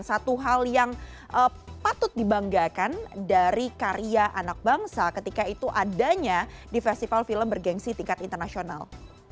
satu hal yang patut dibanggakan dari karya anak bangsa ketika itu adanya di festival film bergensi tingkat internasional